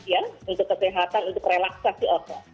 ya untuk kesehatan untuk relaksasi oke